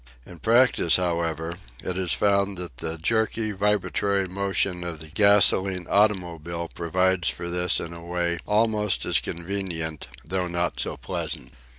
In practice, however, it is found that the jerky vibratory motion of the gasoline automobile provides for this in a way almost as convenient, although not so pleasant.